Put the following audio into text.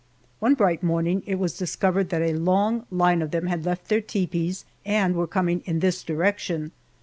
One bright morning it was discovered that a long line of them had left their tepees and were coming in this direction.